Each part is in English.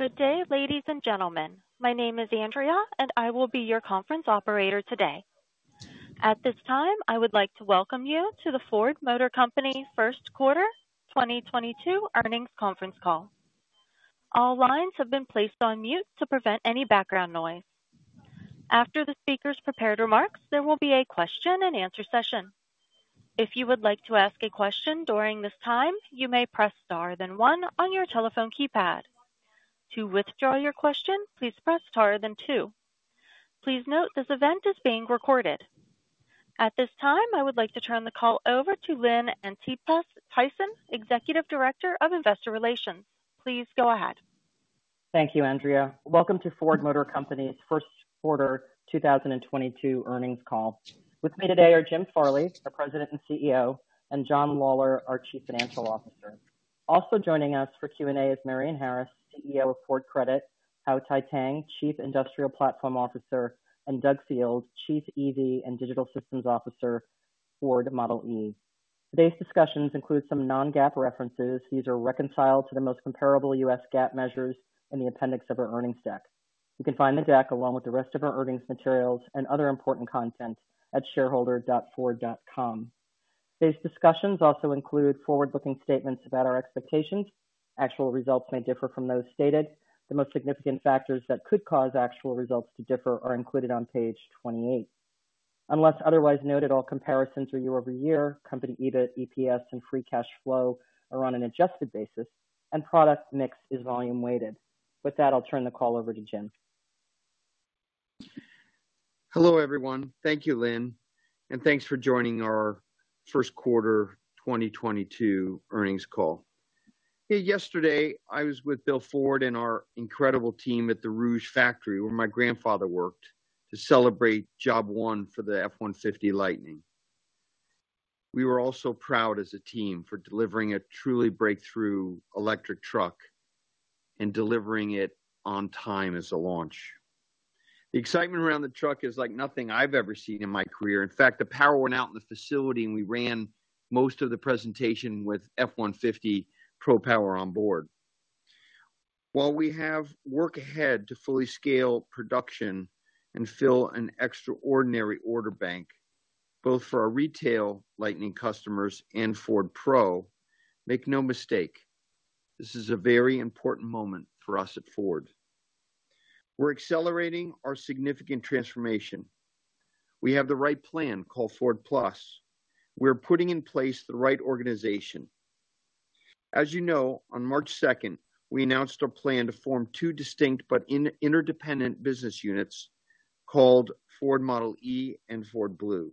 Good day, ladies and gentlemen. My name is Andrea, and I will be your conference operator today. At this time, I would like to welcome you to the Ford Motor Company Q1 2022 earnings conference call. All lines have been placed on mute to prevent any background noise. After the speakers' prepared remarks, there will be a question and answer session. If you would like to ask a question during this time, you may press Star then one on your telephone keypad. To withdraw your question, please press Star then two. Please note this event is being recorded. At this time, I would like to turn the call over to Lynn Antipas Tyson, Executive Director of Investor Relations. Please go ahead. Thank you, Andrea. Welcome to Ford Motor Company's Q1 2022 earnings call. With me today are Jim Farley, our President and CEO, and John Lawler, our Chief Financial Officer. Also joining us for Q&A is Marion Harris, CEO of Ford Credit, Hau Thai-Tang, Chief Industrial Platform Officer, and Doug Field, Chief EV and Digital Systems Officer, Ford Model e. Today's discussions include some non-GAAP references. These are reconciled to the most comparable US GAAP measures in the appendix of our earnings deck. You can find the deck along with the rest of our earnings materials and other important content at shareholder.ford.com. Today's discussions also include forward-looking statements about our expectations. Actual results may differ from those stated. The most significant factors that could cause actual results to differ are included on page 28. Unless otherwise noted, all comparisons are year-over-year. Company EBIT, EPS, and free cash flow are on an adjusted basis, and product mix is volume-weighted. With that, I'll turn the call over to Jim. Hello, everyone. Thank you, Lynn, and thanks for joining our Q1 2022 earnings call. Yesterday, I was with Bill Ford and our incredible team at the Rouge factory, where my grandfather worked, to celebrate job one for the F-150 Lightning. We were all so proud as a team for delivering a truly breakthrough electric truck and delivering it on time as a launch. The excitement around the truck is like nothing I've ever seen in my career. In fact, the power went out in the facility, and we ran most of the presentation with F-150 Pro Power Onboard. While we have work ahead to fully scale production and fill an extraordinary order bank, both for our retail Lightning customers and Ford Pro, make no mistake, this is a very important moment for us at Ford. We're accelerating our significant transformation. We have the right plan called Ford Plus. We're putting in place the right organization. As you know, on March second, we announced our plan to form two distinct but interdependent business units called Ford Model e and Ford Blue.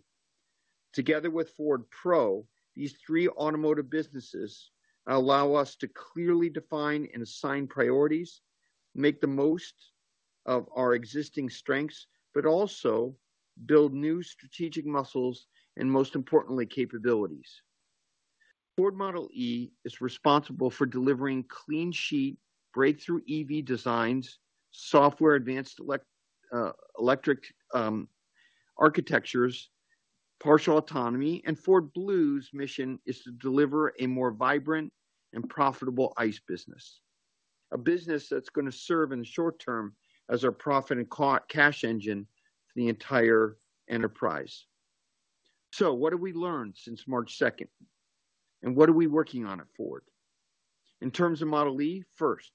Together with Ford Pro, these three automotive businesses allow us to clearly define and assign priorities, make the most of our existing strengths, but also build new strategic muscles, and most importantly, capabilities. Ford Model e is responsible for delivering clean sheet breakthrough EV designs, software advanced electric architectures, partial autonomy, and Ford Blue's mission is to deliver a more vibrant and profitable ICE business, a business that's gonna serve in the short term as our profit and cash engine for the entire enterprise. What have we learned since March second, and what are we working on at Ford? In terms of Model e, first,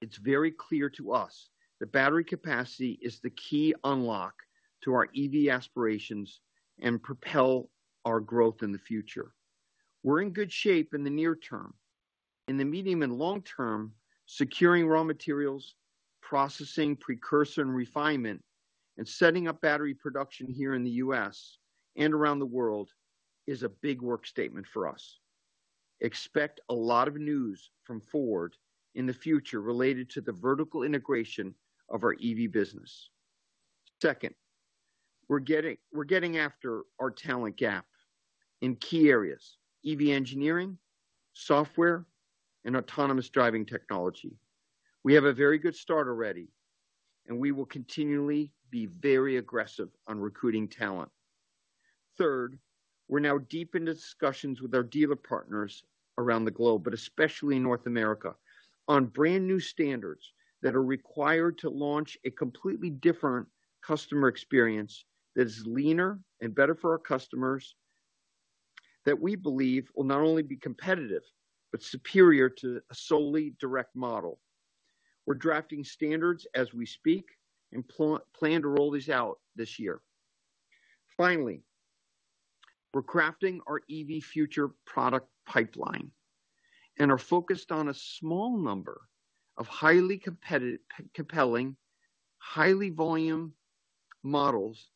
it's very clear to us that battery capacity is the key unlock to our EV aspirations and propel our growth in the future. We're in good shape in the near term. In the medium and long term, securing raw materials, processing precursor and refinement, and setting up battery production here in the U.S. and around the world is a big work statement for us. Expect a lot of news from Ford in the future related to the vertical integration of our EV business. Second, we're getting after our talent gap in key areas, EV engineering, software, and autonomous driving technology. We have a very good start already, and we will continually be very aggressive on recruiting talent. Third, we're now deep into discussions with our dealer partners around the globe, but especially in North America, on brand-new standards that are required to launch a completely different customer experience that is leaner and better for our customers that we believe will not only be competitive, but superior to a solely direct model. We're drafting standards as we speak and plan to roll these out this year. Finally, we're crafting our EV future product pipeline and are focused on a small number of highly compelling, high-volume models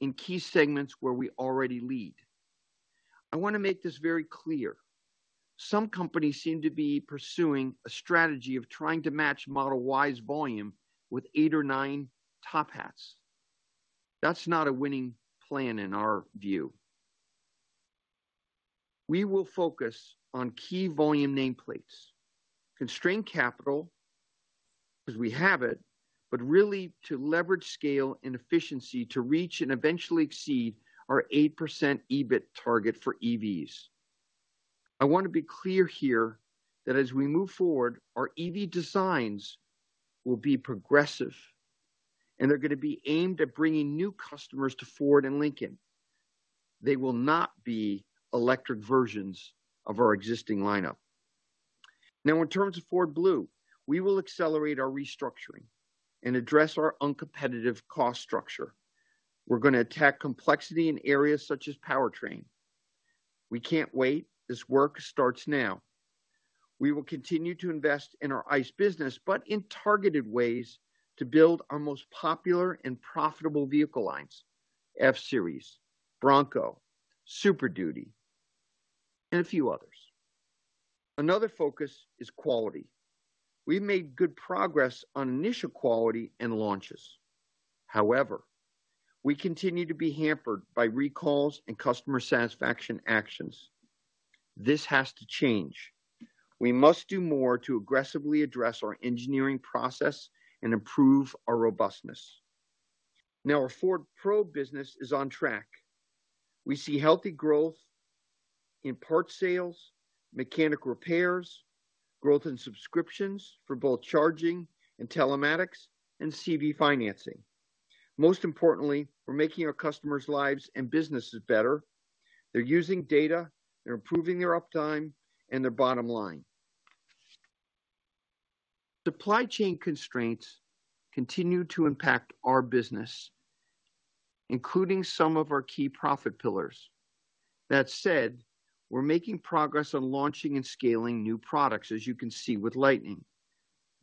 in key segments where we already lead. I want to make this very clear. Some companies seem to be pursuing a strategy of trying to match Model Y's volume with eight or nine top hats. That's not a winning plan in our view. We will focus on key volume nameplates, constrain capital because we have it, but really to leverage scale and efficiency to reach and eventually exceed our 8% EBIT target for EVs. I want to be clear here that as we move forward, our EV designs will be progressive, and they're gonna be aimed at bringing new customers to Ford and Lincoln. They will not be electric versions of our existing lineup. Now, in terms of Ford Blue, we will accelerate our restructuring and address our uncompetitive cost structure. We're gonna attack complexity in areas such as powertrain. We can't wait. This work starts now. We will continue to invest in our ICE business, but in targeted ways to build our most popular and profitable vehicle lines, F-Series, Bronco, Super Duty, and a few others. Another focus is quality. We've made good progress on initial quality and launches. However, we continue to be hampered by recalls and customer satisfaction actions. This has to change. We must do more to aggressively address our engineering process and improve our robustness. Now our Ford Pro business is on track. We see healthy growth in part sales, mechanic repairs, growth in subscriptions for both charging and telematics, and CV financing. Most importantly, we're making our customers' lives and businesses better. They're using data, they're improving their uptime and their bottom line. Supply chain constraints continue to impact our business, including some of our key profit pillars. That said, we're making progress on launching and scaling new products, as you can see with Lightning.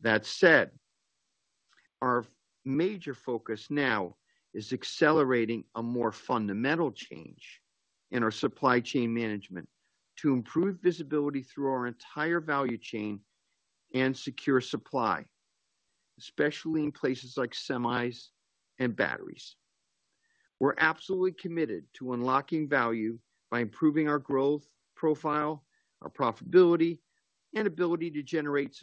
That said, our major focus now is accelerating a more fundamental change in our supply chain management to improve visibility through our entire value chain and secure supply, especially in places like semis and batteries. We're absolutely committed to unlocking value by improving our growth profile, our profitability, and ability to generate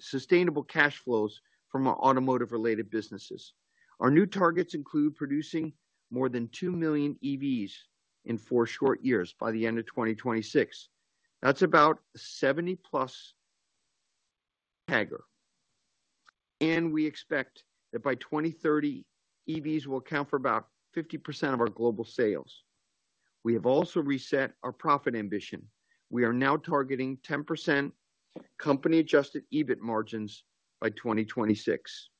sustainable cash flows from our automotive-related businesses. Our new targets include producing more than two million EVs in four short years by the end of 2026. That's about 70-plus% CAGR. We expect that by 2030, EVs will account for about 50% of our global sales. We have also reset our profit ambition. We are now targeting 10% company-adjusted EBIT margins by 2026.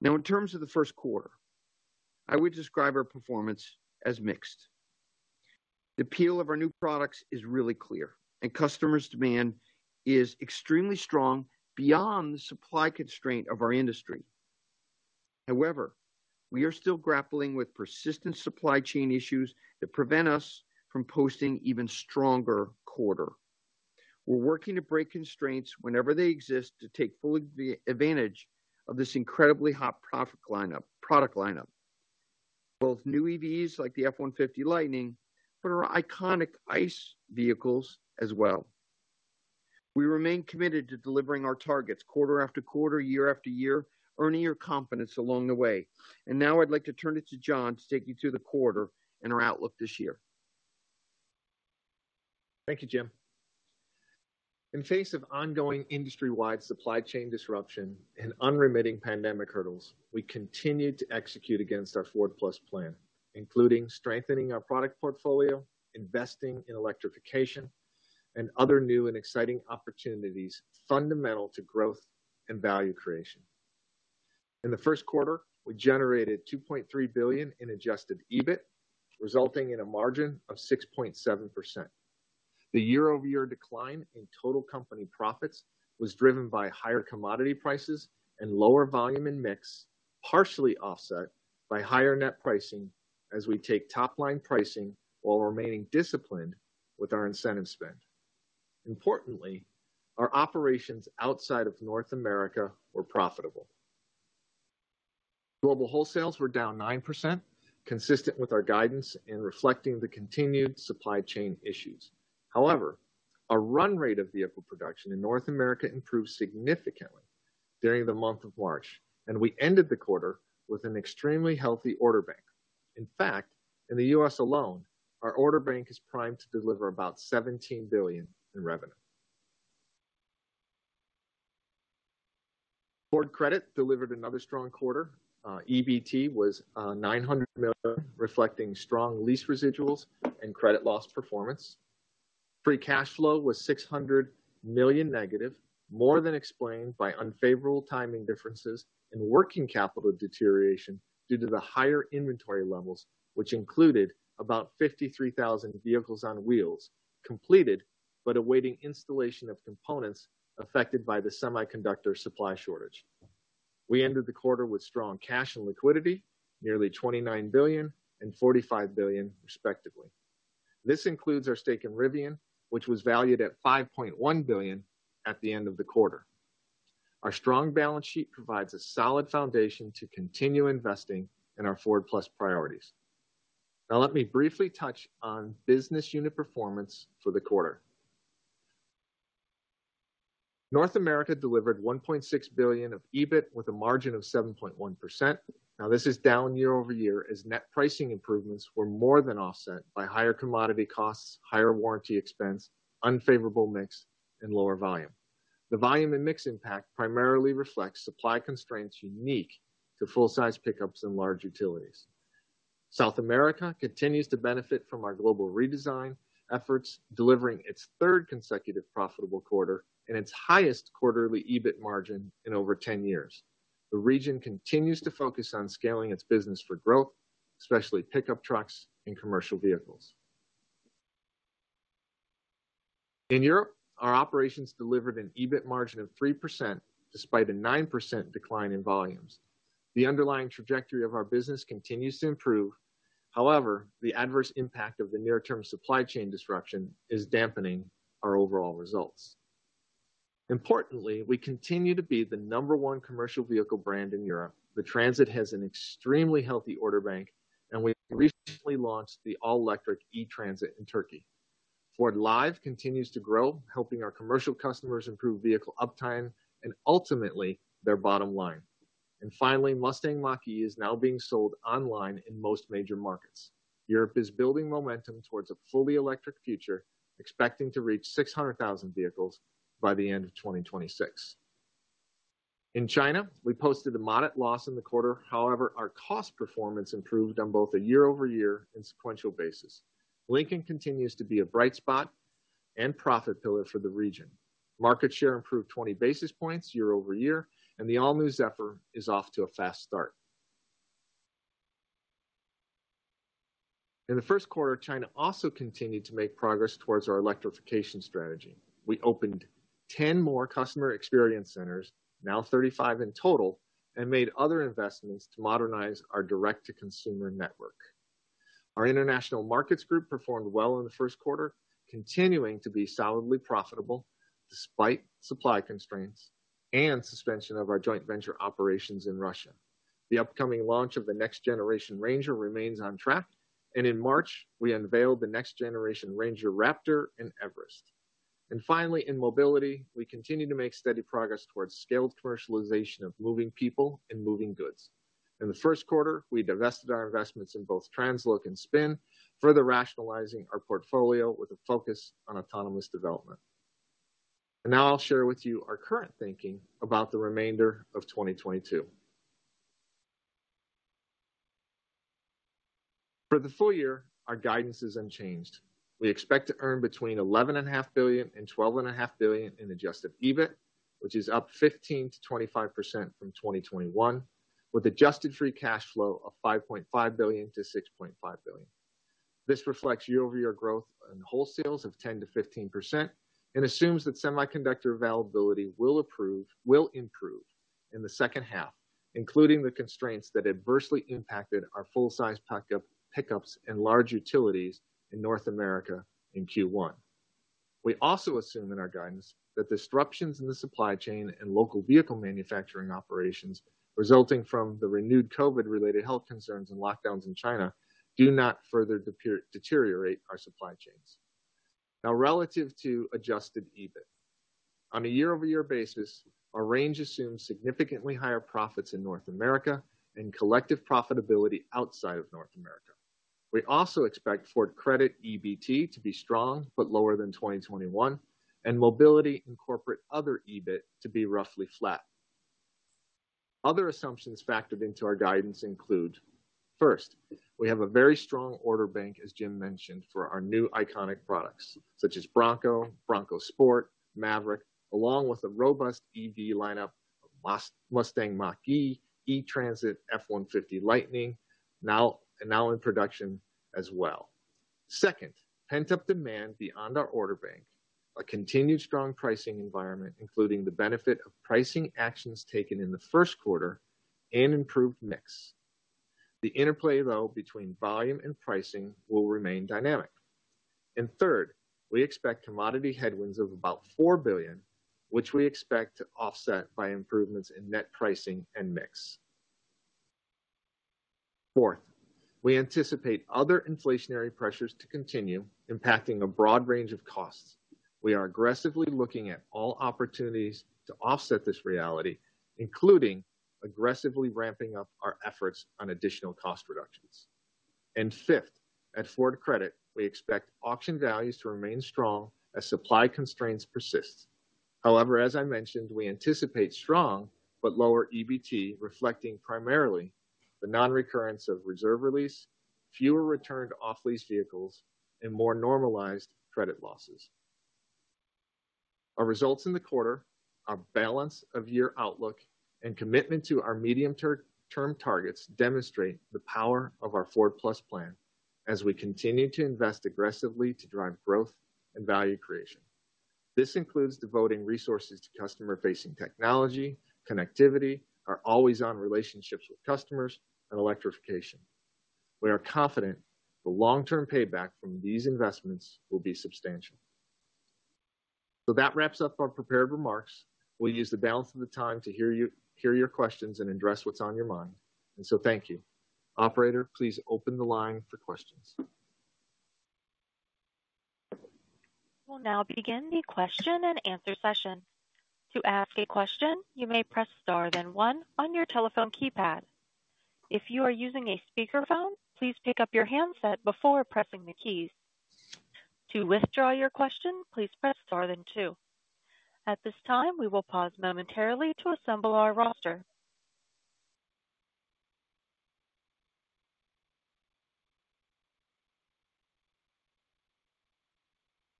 Now in terms of the Q1, I would describe our performance as mixed. The appeal of our new products is really clear, and customers' demand is extremely strong beyond the supply constraint of our industry. However, we are still grappling with persistent supply chain issues that prevent us from posting even stronger quarter. We're working to break constraints whenever they exist to take full advantage of this incredibly hot product lineup, both new EVs like the F-150 Lightning, but our iconic ICE vehicles as well. We remain committed to delivering our targets quarter after quarter, year after year, earning your confidence along the way. Now I'd like to turn it to John to take you through the quarter and our outlook this year. Thank you, Jim. In face of ongoing industry-wide supply chain disruption and unremitting pandemic hurdles, we continued to execute against our Ford+ plan, including strengthening our product portfolio, investing in electrification, and other new and exciting opportunities fundamental to growth and value creation. In the Q1, we generated $2.3 billion in adjusted EBIT, resulting in a margin of 6.7%. The year-over-year decline in total company profits was driven by higher commodity prices and lower volume and mix, partially offset by higher net pricing as we take top-line pricing while remaining disciplined with our incentive spend. Importantly, our operations outside of North America were profitable. Global wholesales were down 9%, consistent with our guidance in reflecting the continued supply chain issues. However, our run rate of vehicle production in North America improved significantly during the month of March, and we ended the quarter with an extremely healthy order bank. In fact, in the U.S. alone, our order bank is primed to deliver about $17 billion in revenue. Ford Credit delivered another strong quarter. EBT was $900 million, reflecting strong lease residuals and credit loss performance. Free cash flow was -$600 million, more than explained by unfavorable timing differences and working capital deterioration due to the higher inventory levels, which included about 53,000 vehicles on wheels completed but awaiting installation of components affected by the semiconductor supply shortage. We ended the quarter with strong cash and liquidity, nearly $29 billion and $45 billion respectively. This includes our stake in Rivian, which was valued at $5.1 billion at the end of the quarter. Our strong balance sheet provides a solid foundation to continue investing in our Ford+ priorities. Now let me briefly touch on business unit performance for the quarter. North America delivered $1.6 billion of EBIT with a margin of 7.1%. Now this is down year-over-year as net pricing improvements were more than offset by higher commodity costs, higher warranty expense, unfavorable mix, and lower volume. The volume and mix impact primarily reflects supply constraints unique to full-size pickups and large utilities. South America continues to benefit from our global redesign efforts, delivering its third consecutive profitable quarter and its highest quarterly EBIT margin in over 10 years. The region continues to focus on scaling its business for growth, especially pickup trucks and commercial vehicles. In Europe, our operations delivered an EBIT margin of 3% despite a 9% decline in volumes. The underlying trajectory of our business continues to improve. However, the adverse impact of the near-term supply chain disruption is dampening our overall results. Importantly, we continue to be the number one commercial vehicle brand in Europe. The Transit has an extremely healthy order bank, and we've recently launched the all-electric E-Transit in Turkey. FORDLiive continues to grow, helping our commercial customers improve vehicle uptime and ultimately their bottom line. Finally, Mustang Mach-E is now being sold online in most major markets. Europe is building momentum towards a fully electric future, expecting to reach 600,000 vehicles by the end of 2026. In China, we posted a modest loss in the quarter. However, our cost performance improved on both a year-over-year and sequential basis. Lincoln continues to be a bright spot and profit pillar for the region. Market share improved 20 basis points year-over-year, and the all-new Zephyr is off to a fast start. In the Q1, China also continued to make progress towards our electrification strategy. We opened 10 more customer experience centers, now 35 in total, and made other investments to modernize our direct-to-consumer network. Our international markets group performed well in the Q1, continuing to be solidly profitable despite supply constraints and suspension of our joint venture operations in Russia. The upcoming launch of the next-generation Ranger remains on track, and in March, we unveiled the next-generation Ranger Raptor and Everest. Finally, in mobility, we continue to make steady progress towards scaled commercialization of moving people and moving goods. In the Q1, we divested our investments in both TransLoc and Spin, further rationalizing our portfolio with a focus on autonomous development. Now I'll share with you our current thinking about the remainder of 2022. For the full year, our guidance is unchanged. We expect to earn between $11.5 billion and $12.5 billion in adjusted EBIT, which is up 15%-25% from 2021, with adjusted free cash flow of $5.5 billion-$6.5 billion. This reflects year-over-year growth in wholesales of 10%-15% and assumes that semiconductor availability will improve in the H2, including the constraints that adversely impacted our full-size pickups and large utilities in North America in Q1. We also assume in our guidance that disruptions in the supply chain and local vehicle manufacturing operations resulting from the renewed COVID-related health concerns and lockdowns in China do not further deteriorate our supply chains. Now, relative to adjusted EBIT. On a year-over-year basis, our range assumes significantly higher profits in North America and collective profitability outside of North America. We also expect Ford Credit EBT to be strong but lower than 2021, and Mobility and Corporate other EBIT to be roughly flat. Other assumptions factored into our guidance include, first, we have a very strong order bank, as Jim mentioned, for our new iconic products, such as Bronco Sport, Maverick, along with a robust EV lineup of Mustang Mach-E, E-Transit, F-150 Lightning, now in production as well. Second, pent-up demand beyond our order bank, a continued strong pricing environment, including the benefit of pricing actions taken in the Q1 and improved mix. The interplay, though, between volume and pricing will remain dynamic. Third, we expect commodity headwinds of about $4 billion, which we expect to offset by improvements in net pricing and mix. Fourth, we anticipate other inflationary pressures to continue impacting a broad range of costs. We are aggressively looking at all opportunities to offset this reality, including aggressively ramping up our efforts on additional cost reductions. Fifth, at Ford Credit, we expect auction values to remain strong as supply constraints persist. However, as I mentioned, we anticipate strong but lower EBT, reflecting primarily the nonrecurrence of reserve release, fewer returned off-lease vehicles, and more normalized credit losses. Our results in the quarter, our balance of year outlook, and commitment to our medium-term targets demonstrate the power of our Ford+ plan as we continue to invest aggressively to drive growth and value creation. This includes devoting resources to customer-facing technology, connectivity, our always-on relationships with customers, and electrification. We are confident the long-term payback from these investments will be substantial. That wraps up our prepared remarks. We'll use the balance of the time to hear your questions and address what's on your mind. Thank you. Operator, please open the line for questions. We'll now begin the question and answer session. To ask a question, you may press Star-Then-One on your telephone keypad. If you are using a speakerphone, please pick up your handset before pressing the keys. To withdraw your question, please press Star-Then-Two. At this time, we will pause momentarily to assemble our roster.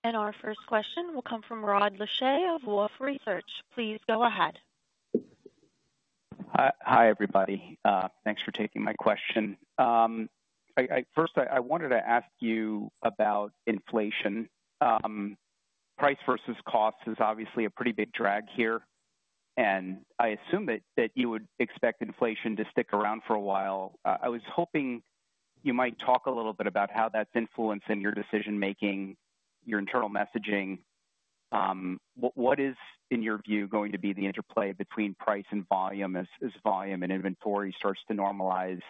Our first question will come from Rod Lache of Wolfe Research. Please go ahead. Hi, everybody. Thanks for taking my question. First, I wanted to ask you about inflation. Price versus cost is obviously a pretty big drag here, and I assume that you would expect inflation to stick around for a while. I was hoping you might talk a little bit about how that's influencing your decision-making, your internal messaging. What is, in your view, going to be the interplay between price and volume as volume and inventory starts to normalize?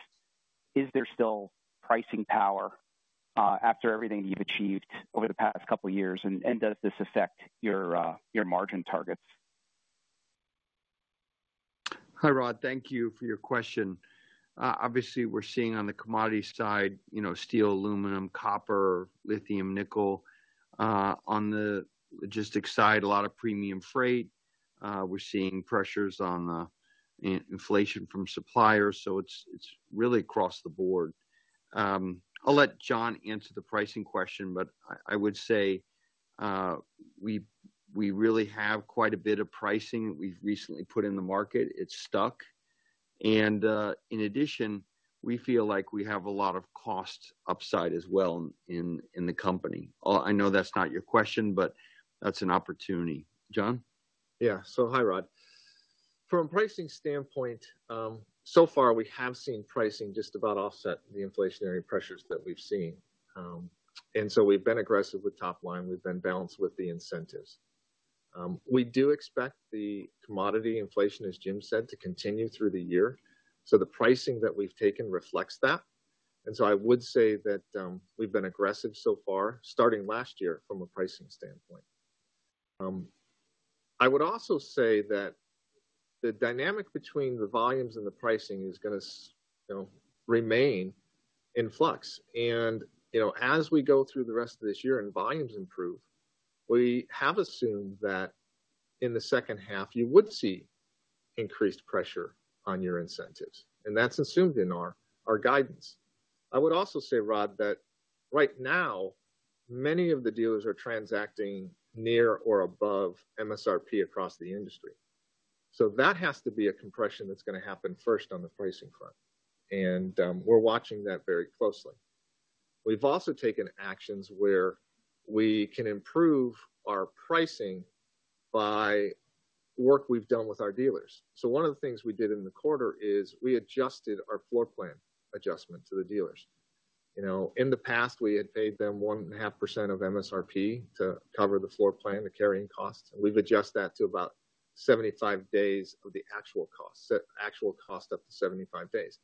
Is there still pricing power after everything you've achieved over the past couple years? Does this affect your margin targets? Hi, Rod. Thank you for your question. Obviously we're seeing on the commodity side, you know, steel, aluminum, copper, lithium, nickel. On the logistics side, a lot of premium freight. We're seeing pressures on inflation from suppliers, so it's really across the board. I'll let John answer the pricing question, but I would say we really have quite a bit of pricing we've recently put in the market. It stuck. In addition, we feel like we have a lot of cost upside as well in the company. I know that's not your question, but that's an opportunity. John? Yeah. Hi, Rod. From a pricing standpoint, so far we have seen pricing just about offset the inflationary pressures that we've seen. We've been aggressive with top line. We've been balanced with the incentives. We do expect the commodity inflation, as Jim said, to continue through the year, so the pricing that we've taken reflects that. I would say that we've been aggressive so far, starting last year, from a pricing standpoint. I would also say that the dynamic between the volumes and the pricing is gonna you know, remain in flux. You know, as we go through the rest of this year and volumes improve, we have assumed that in the H2 you would see increased pressure on your incentives, and that's assumed in our guidance. I would also say, Rod, that right now many of the dealers are transacting near or above MSRP across the industry. That has to be a compression that's gonna happen first on the pricing front. We're watching that very closely. We've also taken actions where we can improve our pricing by work we've done with our dealers. One of the things we did in the quarter is we adjusted our floor plan adjustment to the dealers. You know, in the past we had paid them 1.5% of MSRP to cover the floor plan, the carrying costs, and we've adjusted that to about 75 days of the actual cost, so actual cost up to 75 days.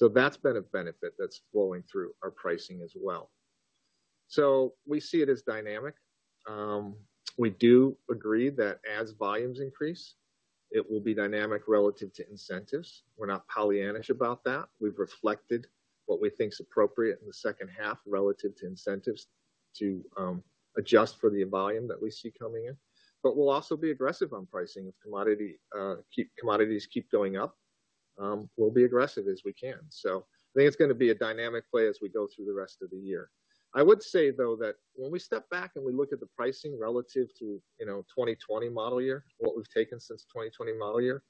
That's been a benefit that's flowing through our pricing as well. We see it as dynamic. We do agree that as volumes increase, it will be dynamic relative to incentives. We're not Pollyanna-ish about that. We've reflected what we think is appropriate in the H2 relative to incentives to adjust for the volume that we see coming in. But we'll also be aggressive on pricing if commodities keep going up, we'll be aggressive as we can. So I think it's gonna be a dynamic play as we go through the rest of the year. I would say, though, that when we step back and we look at the pricing relative to, you know, 2020 model year, what we've taken since 2020 model year,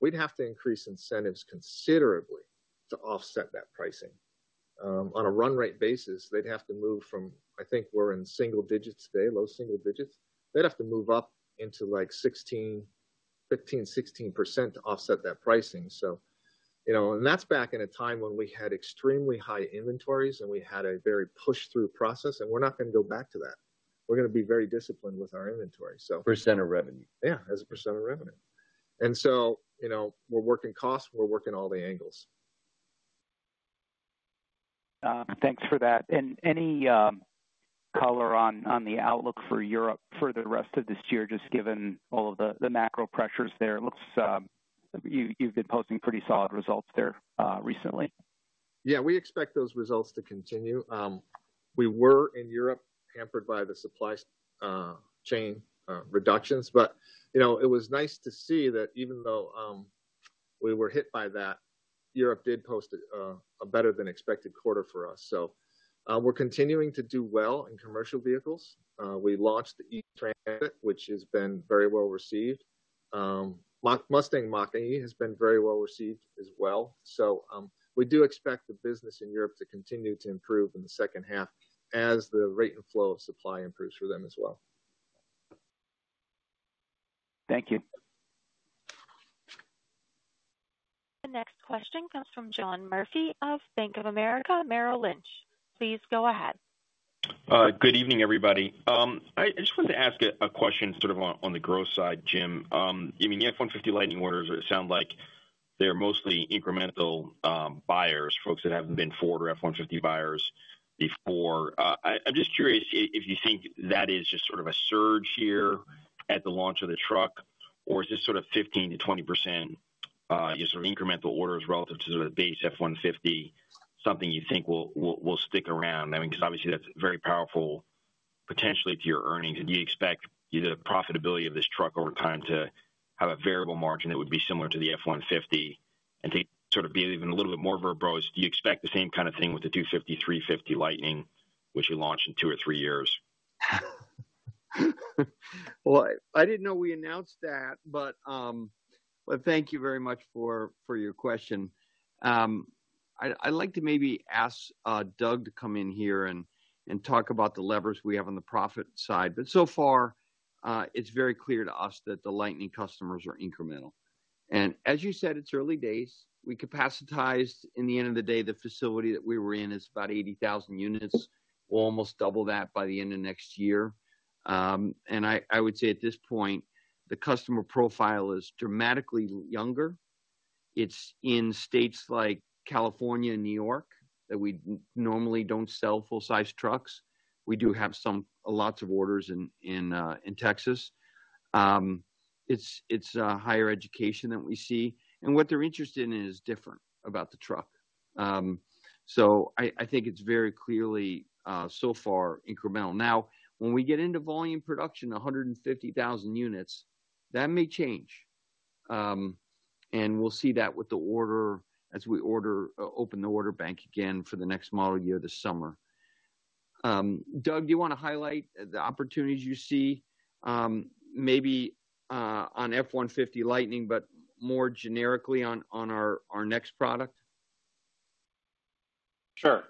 we'd have to increase incentives considerably to offset that pricing. On a run rate basis, they'd have to move from, I think we're in single digits today, low single digits. They'd have to move up into like 15%-16% to offset that pricing. You know, that's back in a time when we had extremely high inventories, and we had a very push-through process, and we're not gonna go back to that. We're gonna be very disciplined with our inventory. Percent of revenue. Yeah, as a percent of revenue. You know, we're working costs, we're working all the angles. Thanks for that. Any color on the outlook for Europe for the rest of this year, just given all of the macro pressures there? It looks you've been posting pretty solid results there recently. Yeah, we expect those results to continue. We were in Europe hampered by the supply chain reductions, but you know, it was nice to see that even though we were hit by that, Europe did post a better than expected quarter for us. We're continuing to do well in commercial vehicles. We launched the E-Transit, which has been very well received. Mustang Mach-E has been very well received as well. We do expect the business in Europe to continue to improve in the H2 as the rate and flow of supply improves for them as well. Thank you. The next question comes from John Murphy of Bank of America Merrill Lynch. Please go ahead. Good evening, everybody. I just wanted to ask a question sort of on the growth side, Jim. I mean, the F-150 Lightning orders sound like they're mostly incremental buyers, folks that haven't been Ford or F-150 buyers before. I'm just curious if you think that is just sort of a surge here at the launch of the truck, or is this sort of 15%-20% your sort of incremental orders relative to the base F-150, something you think will stick around? I mean, 'cause obviously that's very powerful potentially to your earnings. Do you expect the profitability of this truck over time to have a variable margin that would be similar to the F-150? To sort of be even a little bit more verbose, do you expect the same kind of thing with the F-250, F-350 Lightning, which will launch in two or three years? Well, I didn't know we announced that, but thank you very much for your question. I'd like to maybe ask Doug to come in here and talk about the levers we have on the profit side. So far, it's very clear to us that the Lightning customers are incremental. As you said, it's early days. At the end of the day, the facility that we were in is about 80,000 units. We'll almost double that by the end of next year. I would say at this point, the customer profile is dramatically younger. It's in states like California and New York that we normally don't sell full-size trucks. We do have lots of orders in Texas. It's higher education that we see. What they're interested in is different about the truck. I think it's very clearly so far incremental. Now, when we get into volume production, 150,000 units, that may change. We'll see that with the order as we open the order bank again for the next model year this summer. Doug, do you wanna highlight the opportunities you see, maybe on F-150 Lightning, but more generically on our next product? Sure.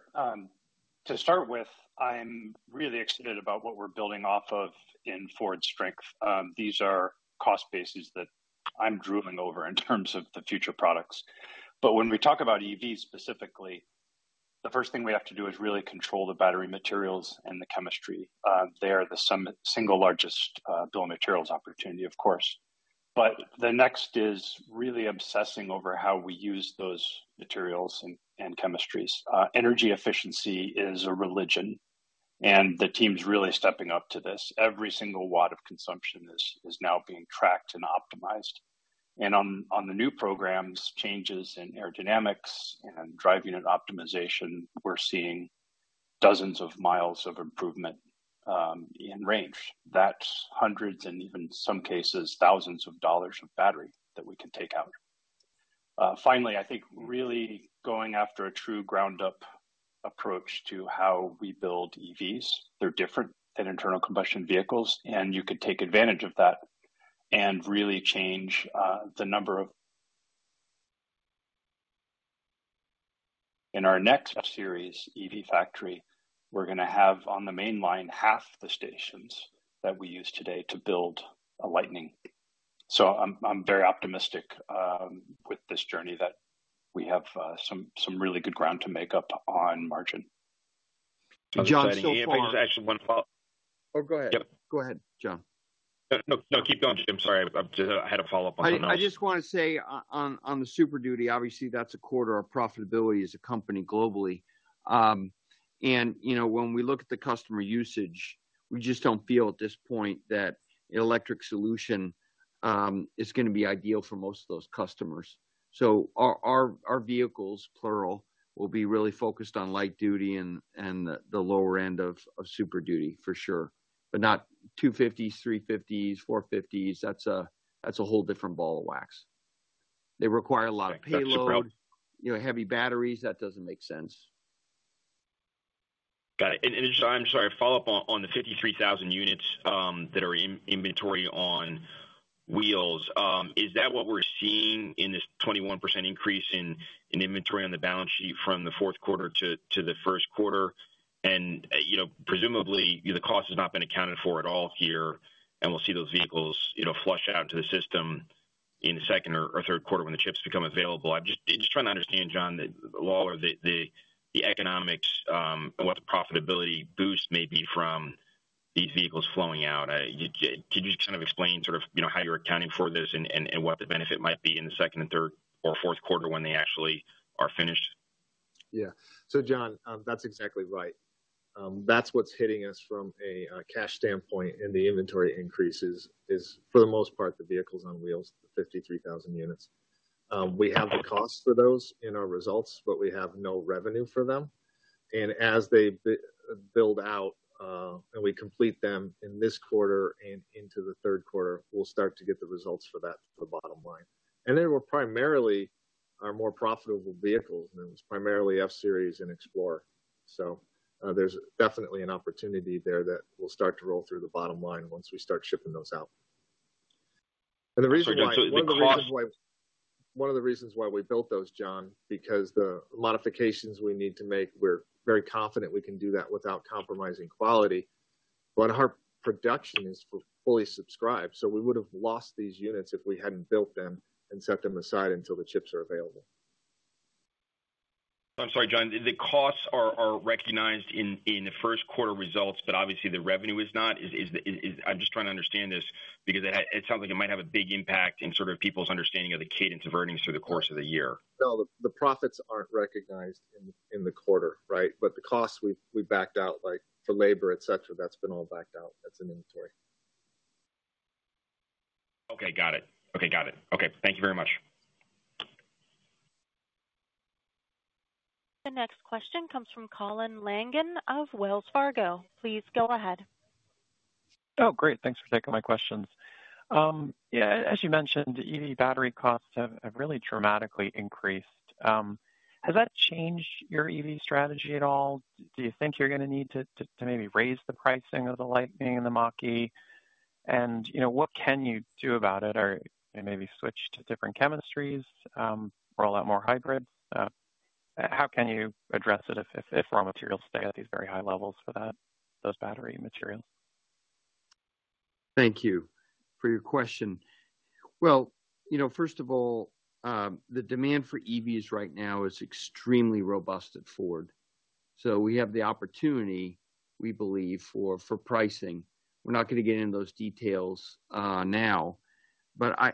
To start with, I'm really excited about what we're building off of in Ford's strength. These are cost bases that I'm drooling over in terms of the future products. When we talk about EVs specifically, the first thing we have to do is really control the battery materials and the chemistry. They are the single largest bill of materials opportunity, of course. The next is really obsessing over how we use those materials and chemistries. Energy efficiency is a religion, and the team's really stepping up to this. Every single watt of consumption is now being tracked and optimized. On the new programs, changes in aerodynamics and drive unit optimization, we're seeing dozens of miles of improvement in range. That's hundreds and even some cases, thousands of dollars of battery that we can take out. Finally, I think really going after a true ground up approach to how we build EVs. They're different than internal combustion vehicles, and you could take advantage of that and really change. In our next series, EV factory, we're gonna have on the main line half the stations that we use today to build a Lightning. I'm very optimistic with this journey that we have, some really good ground to make up on margin. John, so far. Actually, one follow-up. Oh, go ahead. Yep. Go ahead, John. No, no, keep going, Jim. Sorry. I'm just, I had a follow-up on that one. I just wanna say on the Super Duty, obviously that's a quarter of profitability as a company globally. You know, when we look at the customer usage, we just don't feel at this point that electric solution is gonna be ideal for most of those customers. Our vehicles, plural, will be really focused on light duty and the lower end of Super Duty for sure. Not F-250s, F-350s, F-450s. That's a whole different ball of wax. They require a lot of payload, you know, heavy batteries. That doesn't make sense. Got it. I'm sorry, a follow-up on the 53,000 units that are in inventory on wheels. Is that what we're seeing in this 21% increase in inventory on the balance sheet from the Q4 to the Q1? You know, presumably, the cost has not been accounted for at all here, and we'll see those vehicles, you know, flush out into the system in the second or Q3 when the chips become available. I'm just trying to understand, John, the lag or the economics, and what the profitability boost may be from these vehicles flowing out. You know, can you just kind of explain sort of, you know, how you're accounting for this and what the benefit might be in the second and third or Q4 when they actually are finished? Yeah. John, that's exactly right. That's what's hitting us from a cash standpoint in the inventory increases is for the most part, the vehicles on wheels, the 53,000 units. We have the costs for those in our results, but we have no revenue for them. As they build out, and we complete them in this quarter and into the Q3, we'll start to get the results for that for bottom line. They were primarily our more profitable vehicles, and it was primarily F-Series and Explorer. There's definitely an opportunity there that will start to roll through the bottom line once we start shipping those out. The reason why. So the cost. One of the reasons why we built those, John, because the modifications we need to make, we're very confident we can do that without compromising quality. Our production is fully subscribed, so we would have lost these units if we hadn't built them and set them aside until the chips are available. I'm sorry, John, the costs are recognized in the Q1 results, but obviously the revenue is not. I'm just trying to understand this because it sounds like it might have a big impact in sort of people's understanding of the cadence of earnings through the course of the year. No, the profits aren't recognized in the quarter, right? The costs we've backed out, like for labor, et cetera, that's been all backed out. That's in inventory. Okay, got it. Okay, thank you very much. The next question comes from Colin Langan of Wells Fargo. Please go ahead. Oh, great. Thanks for taking my questions. Yeah, as you mentioned, EV battery costs have really dramatically increased. Has that changed your EV strategy at all? Do you think you're gonna need to maybe raise the pricing of the Lightning and the Mach-E? You know, what can you do about it? Or maybe switch to different chemistries, roll out more hybrids? How can you address it if raw materials stay at these very high levels for that, those battery materials? Thank you for your question. Well, you know, first of all, the demand for EVs right now is extremely robust at Ford. So we have the opportunity, we believe, for pricing. We're not gonna get into those details now. But you know,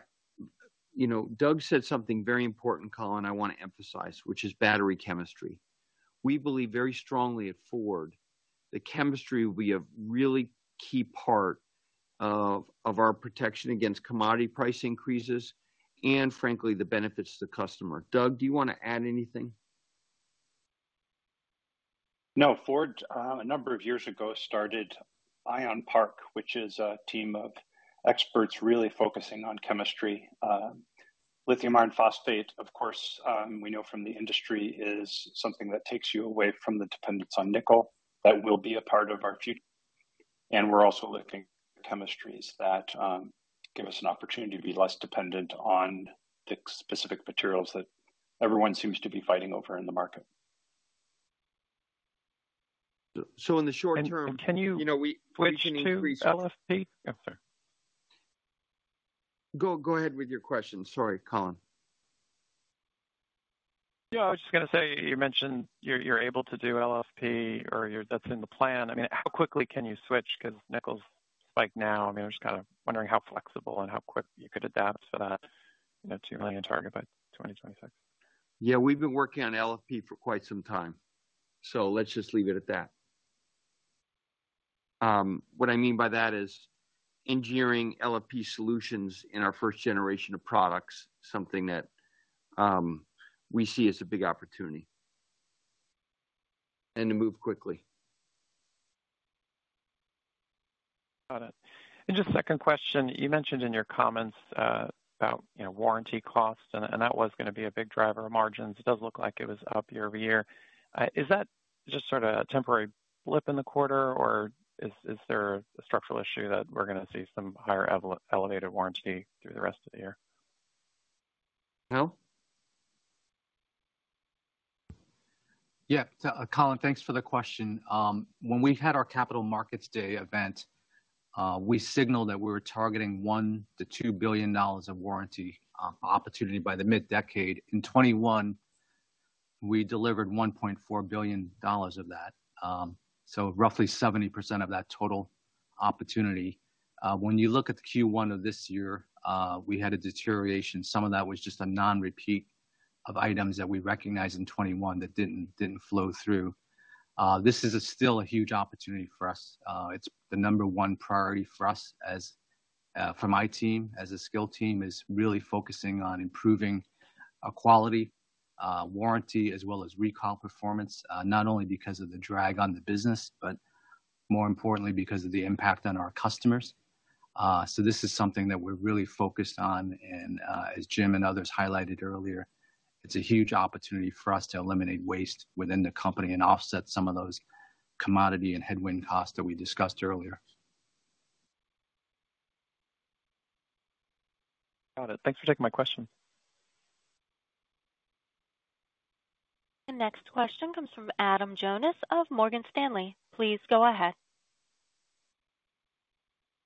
Doug said something very important, Colin. I wanna emphasize which is battery chemistry. We believe very strongly at Ford that chemistry will be a really key part of our protection against commodity price increases and frankly, the benefits to the customer. Doug, do you wanna add anything? No. Ford, a number of years ago started Ion Park, which is a team of experts really focusing on chemistry. Lithium iron phosphate, of course, we know from the industry is something that takes you away from the dependence on nickel. That will be a part of our future. We're also looking at chemistries that give us an opportunity to be less dependent on the specific materials that everyone seems to be fighting over in the market. In the short term. Can you? You know, Switch to LFP? Yeah, sorry. Go ahead with your question. Sorry, Colin. Yeah, I was just gonna say, you mentioned you're able to do LFP or you're, that's in the plan. I mean, how quickly can you switch? 'Cause nickel's, like now, I mean, we're just kinda wondering how flexible and how quick you could adapt for that, you know, two million target by 2026. Yeah, we've been working on LFP for quite some time. Let's just leave it at that. What I mean by that is engineering LFP solutions in our first generation of products, something that, we see as a big opportunity and to move quickly. Got it. Just second question, you mentioned in your comments about, you know, warranty costs, and that was gonna be a big driver of margins. It does look like it was up year-over-year. Is that just sort of a temporary blip in the quarter, or is there a structural issue that we're gonna see some higher elevated warranty through the rest of the year? Bill? Yeah. Colin, thanks for the question. When we had our Capital Markets Day event, we signaled that we were targeting $1-$2 billion of warranty opportunity by the mid-decade. In 2021, we delivered $1.4 billion of that, so roughly 70% of that total opportunity. When you look at Q1 of this year, we had a deterioration. Some of that was just a non-repeat of items that we recognized in 2021 that didn't flow through. This is still a huge opportunity for us. It's the number one priority for us as for my team, as a skill team is really focusing on improving quality, warranty, as well as recall performance, not only because of the drag on the business, but more importantly because of the impact on our customers. This is something that we're really focused on and, as Jim and others highlighted earlier, it's a huge opportunity for us to eliminate waste within the company and offset some of those commodity and headwind costs that we discussed earlier. Got it. Thanks for taking my question. The next question comes from Adam Jonas of Morgan Stanley. Please go ahead.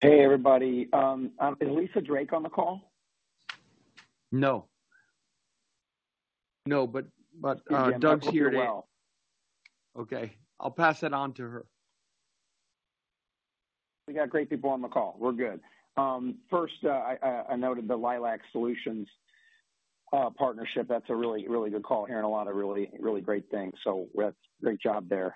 Hey, everybody. Is Lisa Drake on the call? No. Okay. Doug's here to help. Well. Okay. I'll pass that on to her. We got great people on the call. We're good. First, I noted the Lilac Solutions partnership. That's a really good call, hearing a lot of really great things. That's great job there.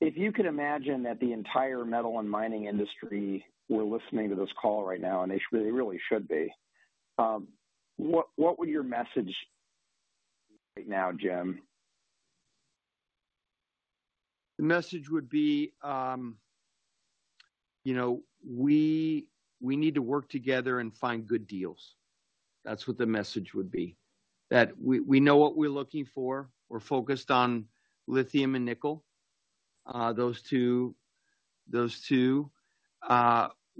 If you could imagine that the entire metal and mining industry were listening to this call right now, and they really should be, what would your message be right now, Jim? The message would be, you know, we need to work together and find good deals. That's what the message would be. That we know what we're looking for. We're focused on lithium and nickel, those two.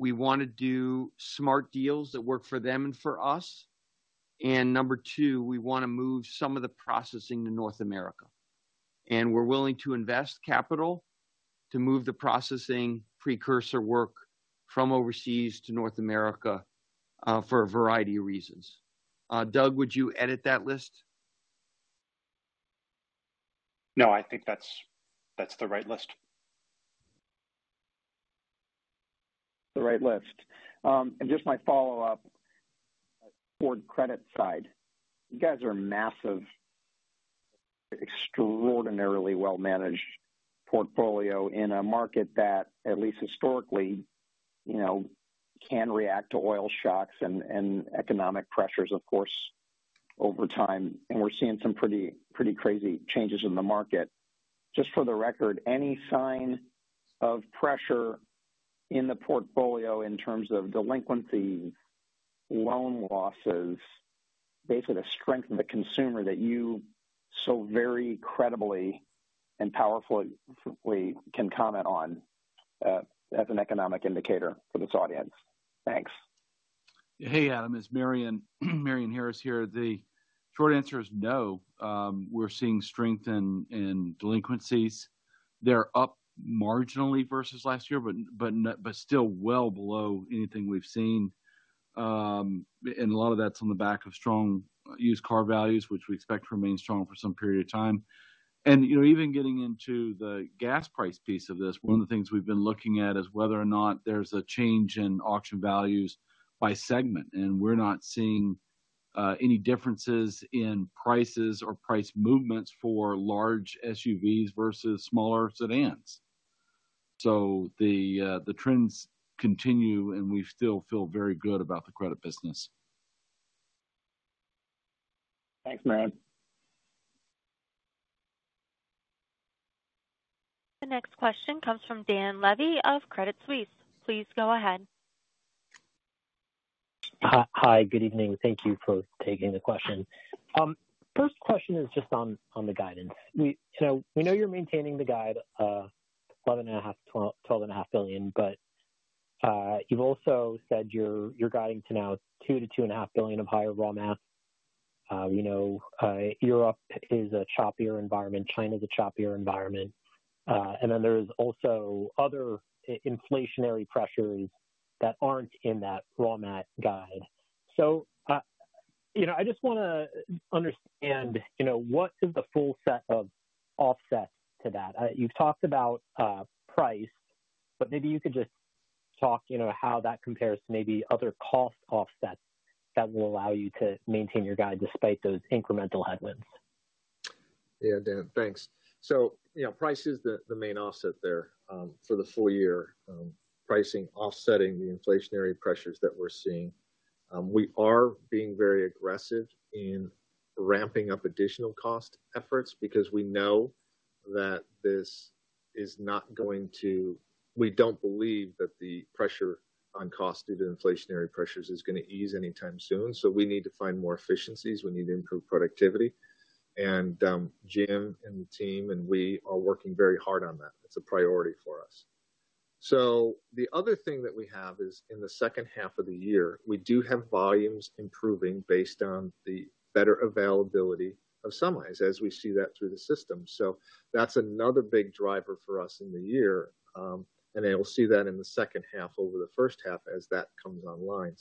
We wanna do smart deals that work for them and for us. Number two, we wanna move some of the processing to North America. We're willing to invest capital to move the processing precursor work from overseas to North America, for a variety of reasons. Doug, would you edit that list? No, I think that's the right list. The right list. Just my follow-up for credit side. You guys have a massive, extraordinarily well-managed portfolio in a market that, at least historically, you know, can react to oil shocks and economic pressures, of course, over time, and we're seeing some pretty crazy changes in the market. Just for the record, any sign of pressure in the portfolio in terms of delinquency, loan losses, basically the strength of the consumer that you so very credibly and powerfully can comment on, as an economic indicator for this audience? Thanks. Hey, Adam, it's Marion Harris here. The short answer is no. We're seeing strength in delinquencies. They're up marginally versus last year, but still well below anything we've seen. A lot of that's on the back of strong used car values, which we expect remain strong for some period of time. You know, even getting into the gas price piece of this, one of the things we've been looking at is whether or not there's a change in auction values by segment. We're not seeing any differences in prices or price movements for large SUVs versus smaller sedans. The trends continue, and we still feel very good about the credit business. Thanks, Marion. The next question comes from Dan Levy of Credit Suisse. Please go ahead. Hi. Good evening. Thank you for taking the question. First question is just on the guidance. We know you're maintaining the guide, $11.5-$12.5 billion, but you've also said you're guiding to now $2-$2.5 billion of higher raw mat. You know, Europe is a choppier environment. China is a choppier environment. Then there's also other inflationary pressures that aren't in that raw mat guide. You know, I just wanna understand, you know, what is the full set of offsets to that. You've talked about price, but maybe you could just talk, you know, how that compares to maybe other cost offsets that will allow you to maintain your guide despite those incremental headwinds. Yeah. Dan, thanks. Price is the main offset there for the full year. Pricing offsetting the inflationary pressures that we're seeing. We are being very aggressive in ramping up additional cost efforts because we know that this is not going to. We don't believe that the pressure on cost due to inflationary pressures is gonna ease anytime soon. We need to find more efficiencies, we need to improve productivity. Jim and the team, and we are working very hard on that. It's a priority for us. The other thing that we have is in the H2 of the year, we do have volumes improving based on the better availability of semis as we see that through the system. That's another big driver for us in the year, and they will see that in the H2 over the H1 as that comes online.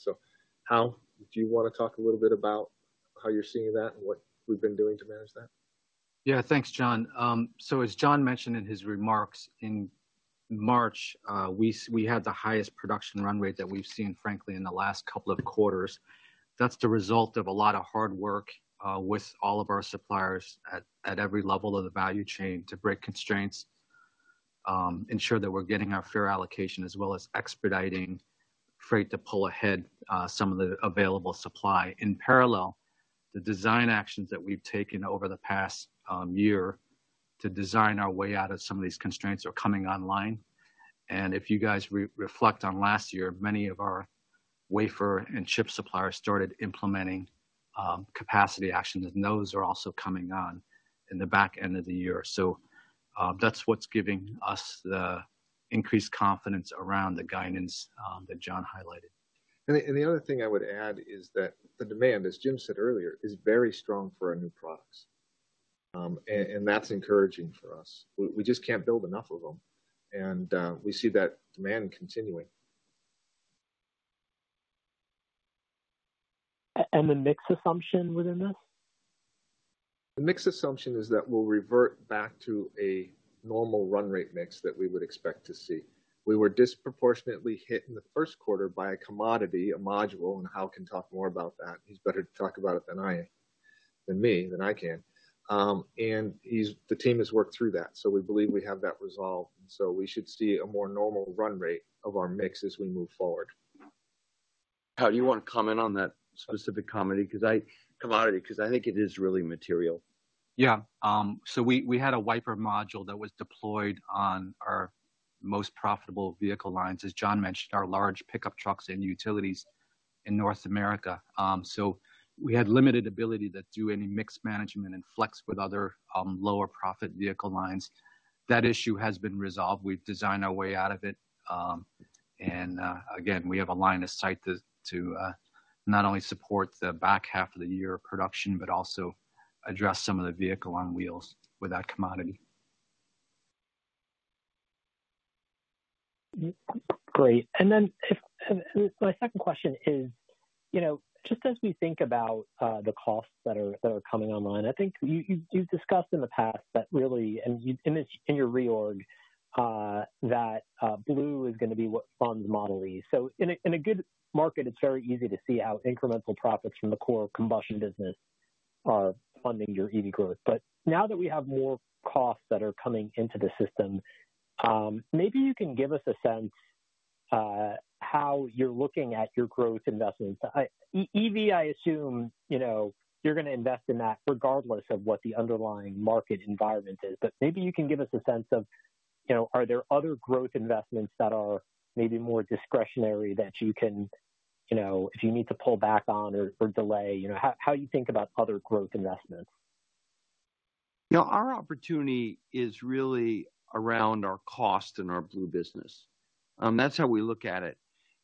Hau, do you wanna talk a little bit about how you're seeing that and what we've been doing to manage that? Yeah. Thanks, John. So as John mentioned in his remarks, in March, we had the highest production run rate that we've seen, frankly, in the last couple of quarters. That's the result of a lot of hard work with all of our suppliers at every level of the value chain to break constraints, ensure that we're getting our fair allocation, as well as expediting freight to pull ahead some of the available supply. In parallel, the design actions that we've taken over the past year to design our way out of some of these constraints are coming online. If you guys reflect on last year, many of our wafer and chip suppliers started implementing capacity actions, and those are also coming on in the back end of the year. That's what's giving us the increased confidence around the guidance that John highlighted. The other thing I would add is that the demand, as Jim said earlier, is very strong for our new products. That's encouraging for us. We just can't build enough of them. We see that demand continuing. The mix assumption within this? The mix assumption is that we'll revert back to a normal run rate mix that we would expect to see. We were disproportionately hit in the Q1 by a commodity, a module, and Hau can talk more about that. He's better to talk about it than I can. The team has worked through that, so we believe we have that resolved, and we should see a more normal run rate of our mix as we move forward. Hau, do you wanna comment on that specific commodity 'cause I think it is really material. Yeah. We had a wiper module that was deployed on our most profitable vehicle lines, as John mentioned, our large pickup trucks and utilities in North America. We had limited ability to do any mix management and flex with other, lower profit vehicle lines. That issue has been resolved. We've designed our way out of it. Again, we have a line of sight to not only support the back half of the year of production, but also address some of the vehicle on wheels with that commodity. Great. My second question is, you know, just as we think about the costs that are coming online, I think you've discussed in the past that really, in your reorg, that Blue is gonna be what funds Model E. In a good market, it's very easy to see how incremental profits from the core combustion business are funding your EV growth. Now that we have more costs that are coming into the system, maybe you can give us a sense how you're looking at your growth investments. EV, I assume, you know, you're gonna invest in that regardless of what the underlying market environment is. Maybe you can give us a sense of, you know, are there other growth investments that are maybe more discretionary that you can, you know, if you need to pull back on or delay, you know, how you think about other growth investments? No, our opportunity is really around our cost and our Ford Blue business. That's how we look at it.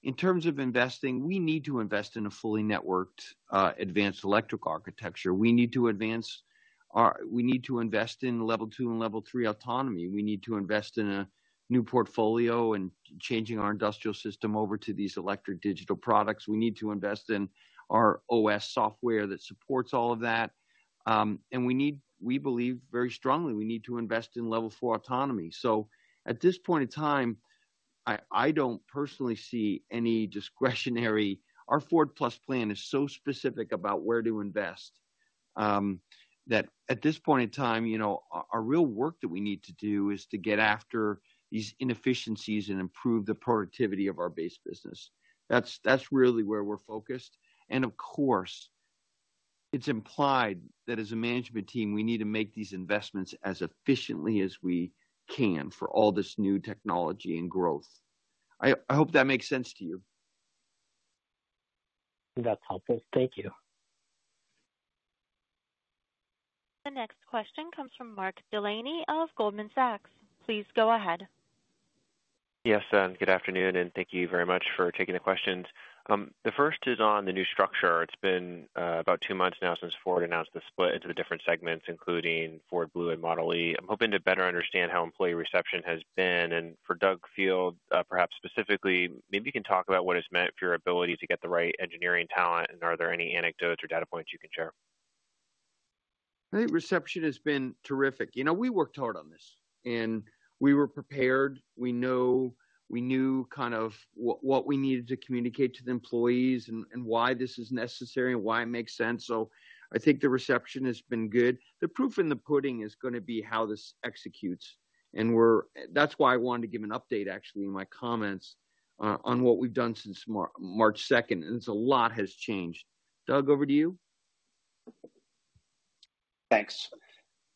In terms of investing, we need to invest in a fully networked, advanced electric architecture. We need to invest in level two and level three autonomy. We need to invest in a new portfolio and changing our industrial system over to these electric digital products. We need to invest in our OS software that supports all of that. We believe very strongly we need to invest in level four autonomy. At this point in time, I don't personally see any discretionary. Our Ford+ plan is so specific about where to invest, that at this point in time, you know, our real work that we need to do is to get after these inefficiencies and improve the productivity of our base business. That's really where we're focused. Of course, it's implied that as a management team, we need to make these investments as efficiently as we can for all this new technology and growth. I hope that makes sense to you. That's helpful. Thank you. The next question comes from Mark Delaney of Goldman Sachs. Please go ahead. Yes, good afternoon, and thank you very much for taking the questions. The first is on the new structure. It's been about two months now since Ford announced the split into the different segments, including Ford Blue and Ford Model e. I'm hoping to better understand how employee reception has been. For Doug Field, perhaps specifically, maybe you can talk about what it's meant for your ability to get the right engineering talent, and are there any anecdotes or data points you can share? I think reception has been terrific. You know, we worked hard on this, and we were prepared. We knew kind of what we needed to communicate to the employees and why this is necessary and why it makes sense. I think the reception has been good. The proof in the pudding is gonna be how this executes. That's why I wanted to give an update, actually, in my comments, on what we've done since March second. A lot has changed. Doug, over to you. Thanks.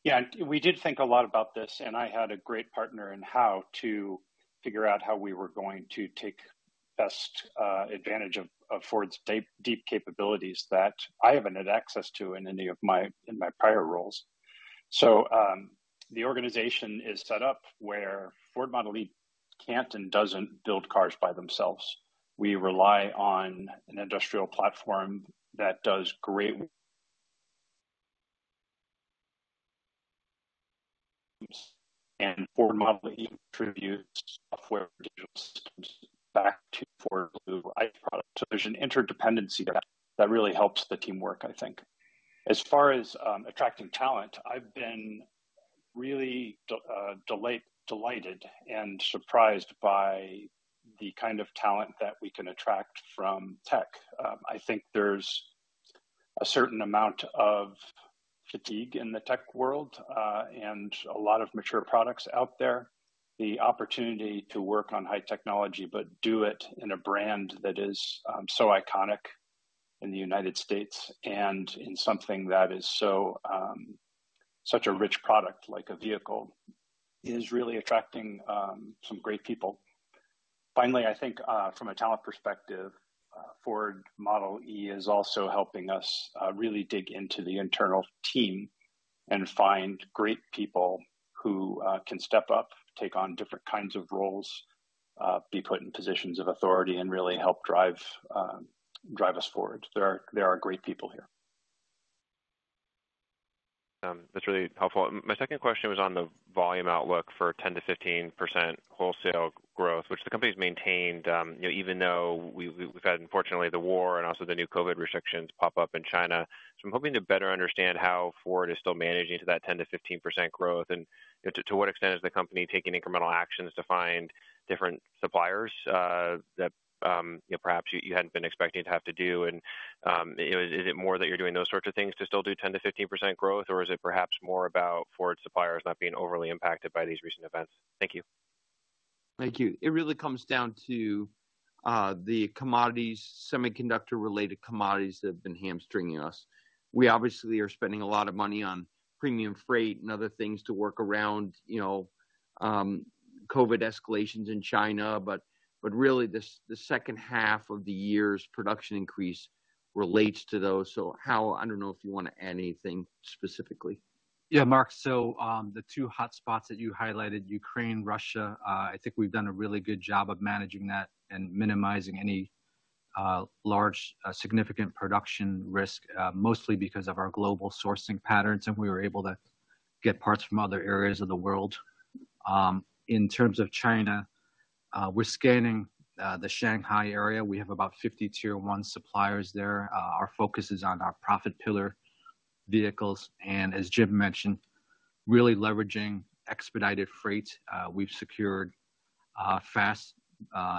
Yeah, we did think a lot about this, and I had a great partner in how to figure out how we were going to take best advantage of Ford's deep capabilities that I haven't had access to in any of my prior roles. The organization is set up where Ford Model e can't and doesn't build cars by themselves. We rely on an industrial platform that does great and Ford Model e contributes software back to Ford Blue ICE product. There's an interdependency there that really helps the teamwork, I think. As far as attracting talent, I've been really delighted and surprised by the kind of talent that we can attract from tech. I think there's a certain amount of fatigue in the tech world, and a lot of mature products out there. The opportunity to work on high technology, but do it in a brand that is, so iconic in the United States and in something that is so, such a rich product like a vehicle, is really attracting, some great people. Finally, I think, from a talent perspective, Ford Model e is also helping us, really dig into the internal team and find great people who, can step up, take on different kinds of roles, be put in positions of authority and really help drive us forward. There are great people here. That's really helpful. My second question was on the volume outlook for 10%-15% wholesale growth, which the company's maintained, you know, even though we've had, unfortunately, the war and also the new COVID restrictions pop up in China. I'm hoping to better understand how Ford is still managing to that 10%-15% growth. You know, to what extent is the company taking incremental actions to find different suppliers that, you know, perhaps you hadn't been expecting to have to do? You know, is it more that you're doing those sorts of things to still do 10%-15% growth? Or is it perhaps more about Ford suppliers not being overly impacted by these recent events? Thank you. Thank you. It really comes down to the commodities, semiconductor-related commodities that have been hamstringing us. We obviously are spending a lot of money on premium freight and other things to work around, you know, COVID escalations in China. Really, this, the H2 of the year's production increase relates to those. Hau, I don't know if you wanna add anything specifically. Yeah, Mark. The two hotspots that you highlighted, Ukraine, Russia, I think we've done a really good job of managing that and minimizing any large significant production risk, mostly because of our global sourcing patterns, and we were able to get parts from other areas of the world. In terms of China, we're scanning the Shanghai area. We have about 50 Tier One suppliers there. Our focus is on our profit pillar vehicles and as Jim mentioned, really leveraging expedited freight. We've secured fast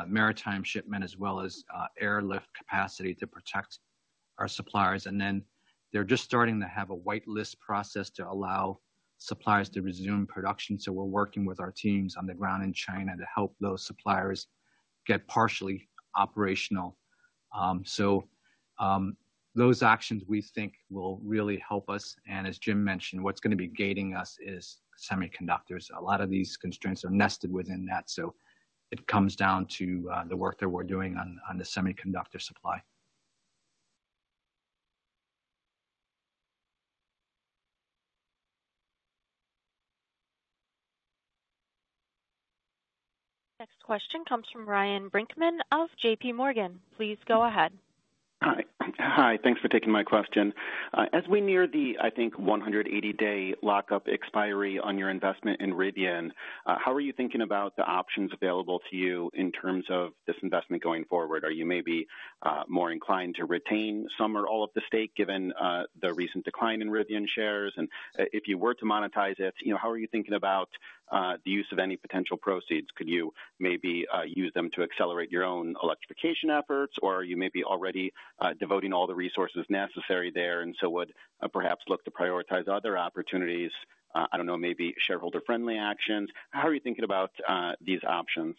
maritime shipment as well as airlift capacity to protect our suppliers. They're just starting to have a whitelist process to allow suppliers to resume production, so we're working with our teams on the ground in China to help those suppliers get partially operational. Those actions we think will really help us. As Jim mentioned, what's gonna be gating us is semiconductors. A lot of these constraints are nested within that, so it comes down to the work that we're doing on the semiconductor supply. Next question comes from Ryan Brinkman of JPMorgan. Please go ahead. Hi. Hi, thanks for taking my question. As we near the, I think, 180-day lockup expiry on your investment in Rivian, how are you thinking about the options available to you in terms of this investment going forward? Are you maybe more inclined to retain some or all of the stake given the recent decline in Rivian shares? If you were to monetize it, you know, how are you thinking about the use of any potential proceeds? Could you maybe use them to accelerate your own electrification efforts, or are you maybe already devoting all the resources necessary there and so would perhaps look to prioritize other opportunities, I don't know, maybe shareholder-friendly actions? How are you thinking about these options?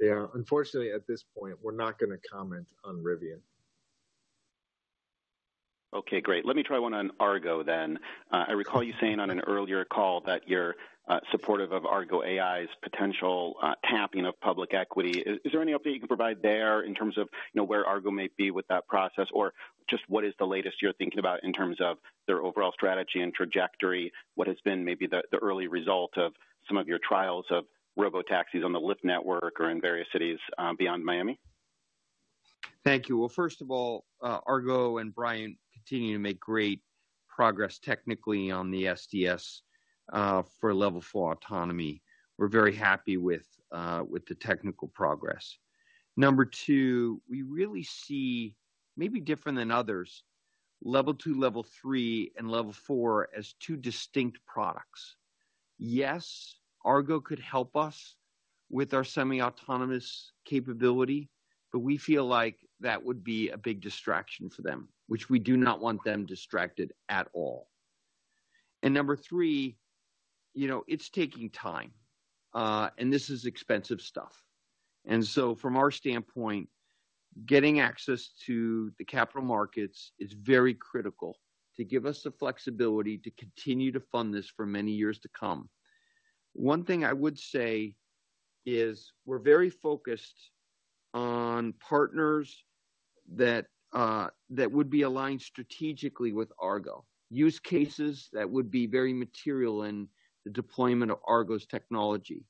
Yeah. Unfortunately, at this point, we're not gonna comment on Rivian. Okay, great. Let me try one on Argo then. I recall you saying on an earlier call that you're supportive of Argo AI's potential tapping of public equity. Is there any update you can provide there in terms of, you know, where Argo may be with that process? Or just what is the latest you're thinking about in terms of their overall strategy and trajectory? What has been maybe the early result of some of your trials of robotaxis on the Lyft network or in various cities beyond Miami? Thank you. Well, first of all, Argo and Bryan continue to make great progress technically on the SDS for Level IV autonomy. We're very happy with the technical progress. Number two, we really see, maybe different than others, Level II, Level III, and Level IV as two distinct products. Yes, Argo could help us with our semi-autonomous capability, but we feel like that would be a big distraction for them, which we do not want them distracted at all. Number three, you know, it's taking time, and this is expensive stuff. From our standpoint, getting access to the capital markets is very critical to give us the flexibility to continue to fund this for many years to come. One thing I would say is we're very focused on partners that would be aligned strategically with Argo. Use cases that would be very material in the deployment of Argo's technology.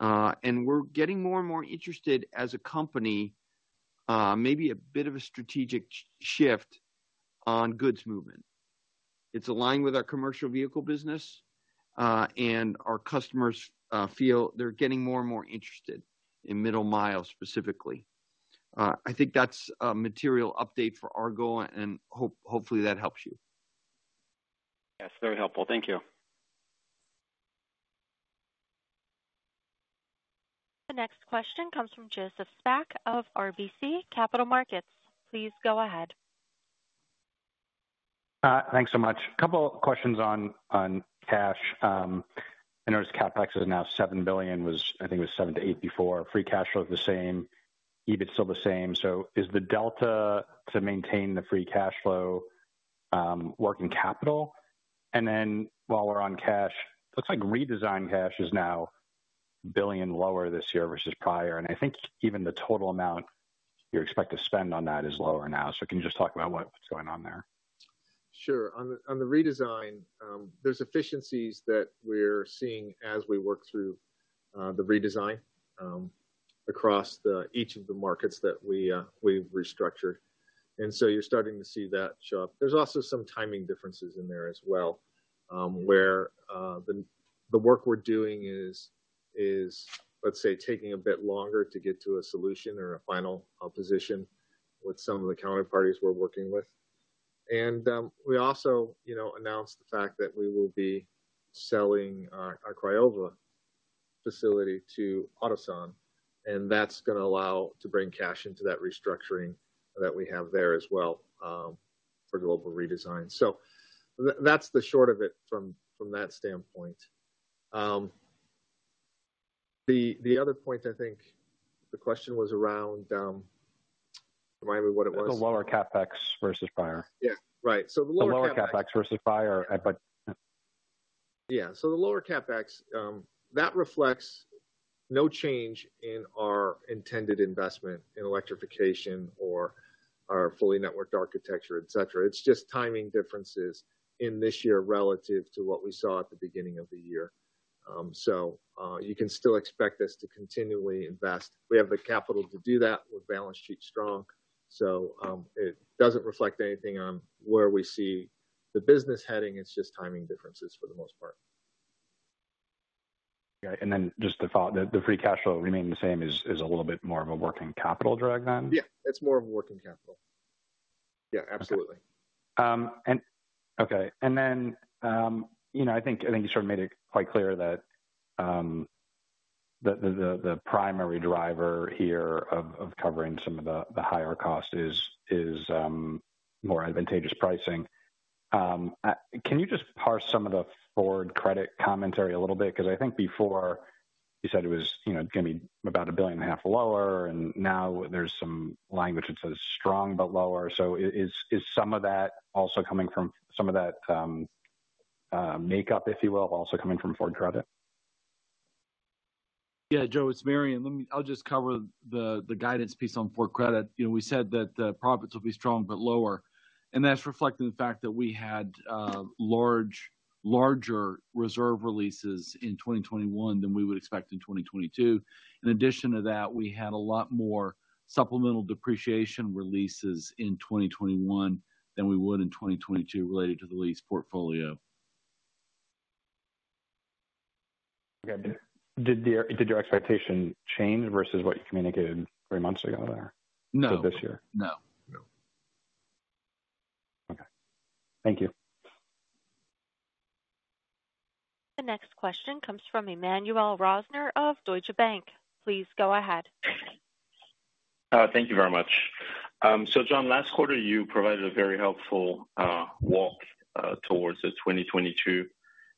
We're getting more and more interested as a company, maybe a bit of a strategic shift on goods movement. It's aligned with our commercial vehicle business, and our customers feel they're getting more and more interested in middle mile specifically. I think that's a material update for Argo and hopefully that helps you. Yes, very helpful. Thank you. The next question comes from Joseph Spak of RBC Capital Markets. Please go ahead. Thanks so much. A couple of questions on cash. I noticed CapEx is now $7 billion, I think it was $7-$8 billion before. Free cash flow is the same. EBIT's still the same. Is the delta to maintain the free cash flow, working capital? While we're on cash, looks like redesign cash is now $1 billion lower this year versus prior, and I think even the total amount you expect to spend on that is lower now. Can you just talk about what's going on there? Sure. On the redesign, there's efficiencies that we're seeing as we work through the redesign across each of the markets that we've restructured. You're starting to see that show up. There's also some timing differences in there as well, where the work we're doing is, let's say, taking a bit longer to get to a solution or a final position with some of the counterparties we're working with. We also, you know, announced the fact that we will be selling our Craiova facility to Ford Otosan, and that's gonna allow to bring cash into that restructuring that we have there as well for global redesign. That's the short of it from that standpoint. The other point I think the question was around, remind me what it was. The lower CapEx versus prior. Yeah. Right. The lower CapEx. The lower CapEx versus prior at, like. The lower CapEx that reflects no change in our intended investment in electrification or our fully networked architecture, etc. It's just timing differences in this year relative to what we saw at the beginning of the year. You can still expect us to continually invest. We have the capital to do that. We're balance sheet strong. It doesn't reflect anything on where we see the business heading. It's just timing differences for the most part. Yeah. The free cash flow remaining the same is a little bit more of a working capital drag than? Yeah, it's more of a working capital. Yeah, absolutely. You know, I think you sort of made it quite clear that the primary driver here of covering some of the higher costs is more advantageous pricing. Can you just parse some of the Ford Credit commentary a little bit? 'Cause I think before you said it was, you know, gonna be about $1.5 billion lower, and now there's some language that says strong but lower. Is some of that also coming from some of that makeup, if you will, also coming from Ford Credit? Yeah, Joe, it's Marion. Let me. I'll just cover the guidance piece on Ford Credit. You know, we said that the profits will be strong but lower, and that's reflecting the fact that we had larger reserve releases in 2021 than we would expect in 2022. In addition to that, we had a lot more supplemental depreciation releases in 2021 than we would in 2022 related to the lease portfolio. Okay. Did your expectation change versus what you communicated three months ago there? No. For this year? No. No. Okay. Thank you. The next question comes from Emmanuel Rosner of Deutsche Bank. Please go ahead. Thank you very much. John, last quarter you provided a very helpful walk towards the 2022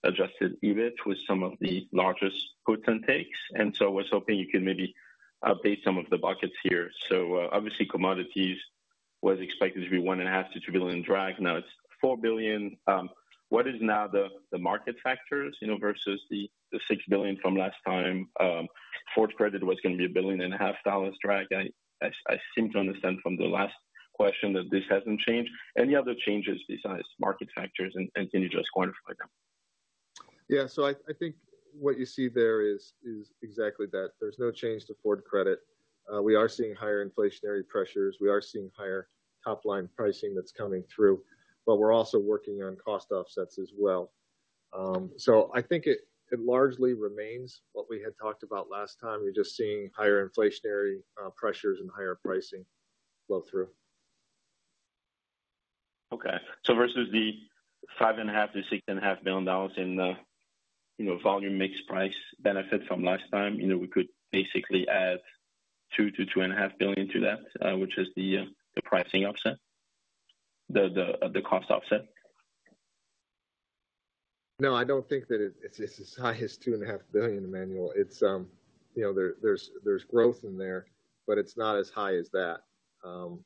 adjusted EBIT with some of the largest puts and takes, I was hoping you could maybe update some of the buckets here. Obviously, commodities was expected to be $1.5 billion-$2 billion drag. Now it's $4 billion. What is now the market factors, you know, versus the $6 billion from last time? Ford Credit was gonna be $1.5 billion drag. I seem to understand from the last question that this hasn't changed. Any other changes besides market factors, and can you just quantify them? Yeah. I think what you see there is exactly that. There's no change to Ford Credit. We are seeing higher inflationary pressures. We are seeing higher top-line pricing that's coming through, but we're also working on cost offsets as well. I think it largely remains what we had talked about last time. We're just seeing higher inflationary pressures and higher pricing flow through. Okay. Versus the $5.5 billion-$6.5 billion in, you know, volume mix price benefit from last time, you know, we could basically add $2 billion-$2.5 billion to that, which is the pricing offset, the cost offset? No, I don't think that it's as high as $2.5 billion, Emmanuel. It's you know, there's growth in there, but it's not as high as that. You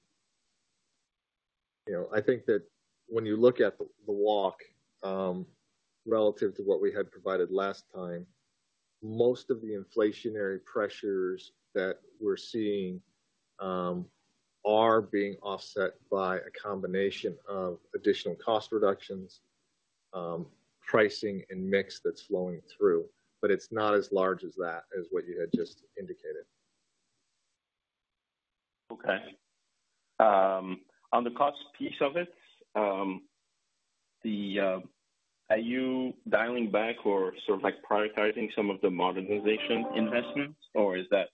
know, I think that when you look at the walk relative to what we had provided last time, most of the inflationary pressures that we're seeing are being offset by a combination of additional cost reductions, pricing and mix that's flowing through. It's not as large as that, as what you had just indicated. Okay. On the cost piece of it, are you dialing back or sort of like prioritizing some of the modernization investments? Or is that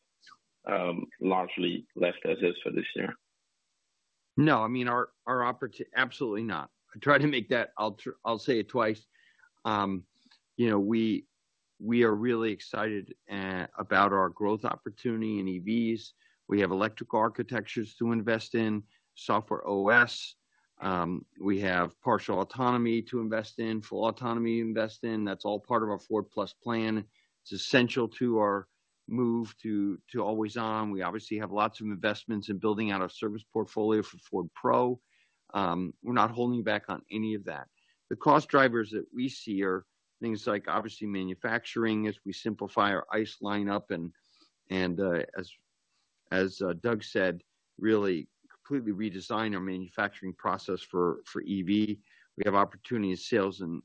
largely left as is for this year? No. I mean, absolutely not. I try to make that. I'll say it twice. You know, we are really excited about our growth opportunity in EVs. We have electrical architectures to invest in, software OS. We have partial autonomy to invest in, full autonomy to invest in. That's all part of our Ford+ plan. It's essential to our move to Always On. We obviously have lots of investments in building out our service portfolio for Ford Pro. We're not holding back on any of that. The cost drivers that we see are things like, obviously, manufacturing as we simplify our ICE lineup, and as Doug said, really completely redesign our manufacturing process for EV. We have opportunity in sales and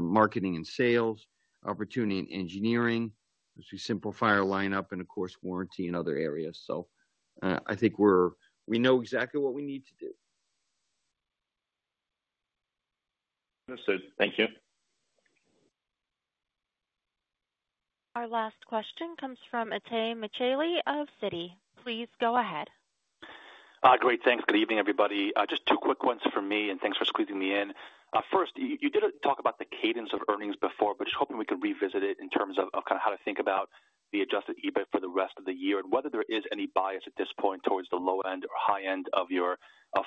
marketing and sales. Opportunity in engineering as we simplify our lineup and, of course, warranty and other areas. I think we know exactly what we need to do. Understood. Thank you. Our last question comes from Itay Michaeli of Citi. Please go ahead. Great. Thanks. Good evening, everybody. Just two quick ones from me and thanks for squeezing me in. First, you did talk about the cadence of earnings before, but just hoping we could revisit it in terms of kind of how to think about the adjusted EBIT for the rest of the year, and whether there is any bias at this point towards the low end or high end of your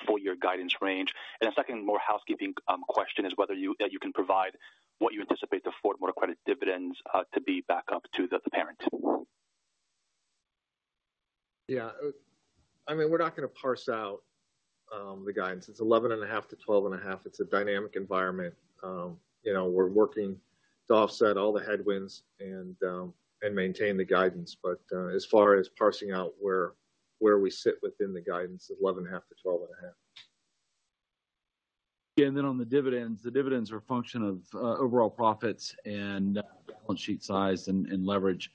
full year guidance range. A second more housekeeping question is whether you can provide what you anticipate the Ford Motor Credit dividends to be back up to the parent. Yeah. I mean, we're not gonna parse out the guidance. It's $11.5-$12.5. It's a dynamic environment. You know, we're working to offset all the headwinds and maintain the guidance. As far as parsing out where we sit within the guidance, it's $11.5-$12.5. Yeah. On the dividends, the dividends are a function of overall profits and balance sheet size and leverage.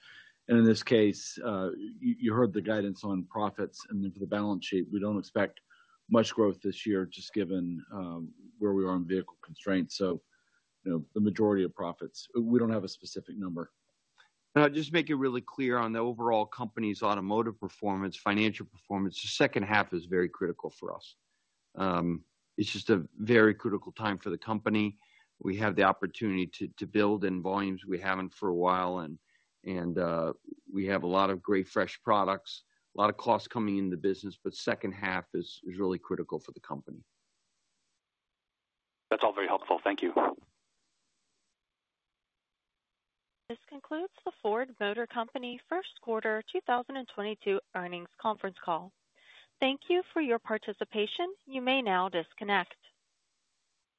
In this case, you heard the guidance on profits and then for the balance sheet, we don't expect much growth this year just given where we are on vehicle constraints. You know, the majority of profits. We don't have a specific number. Just make it really clear on the overall company's automotive performance, financial performance. The H2 is very critical for us. It's just a very critical time for the company. We have the opportunity to build in volumes we haven't for a while and we have a lot of great fresh products, a lot of costs coming into the business, but H2 is really critical for the company. That's all very helpful. Thank you. This concludes the Ford Motor Company Q1 2022 earnings conference call. Thank you for your participation. You may now disconnect.